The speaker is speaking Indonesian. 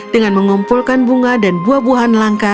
dengan mengumpulkan bunga dan buah buahan langka